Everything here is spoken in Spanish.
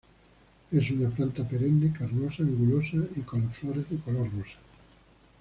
Es una planta perenne carnosa, anguloso y con las flores de color rosa.